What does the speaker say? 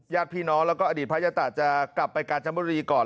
ญาติพี่น้องแล้วก็อดีตพระยตะจะกลับไปกาญจนบุรีก่อน